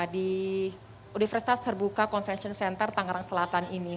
di universitas terbuka convention center tengah selantan ini